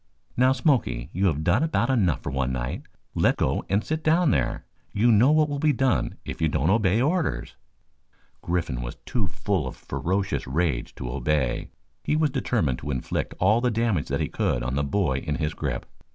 "Now, Smoky, you have done about enough for one night. Let go and sit down there. You know what will be done if you don't obey orders." Griffin was too full of ferocious rage to obey. He was determined to inflict all the damage that he could, on the boy in his grip.